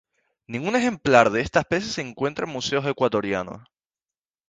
Ningún ejemplar de esta especie se encuentran en museos ecuatorianos.